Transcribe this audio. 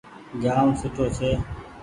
جآم سوٺو ڇي۔